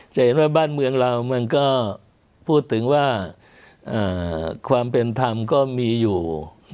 จะเห็นว่าบ้านเมืองเรามันก็พูดถึงว่าความเป็นธรรมก็มีอยู่